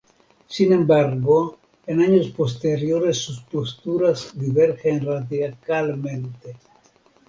Sin embargo, en años posteriores sus posturas divergen radicalmente.